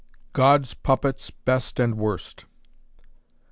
"GOD'S PUPPETS, BEST AND WORST."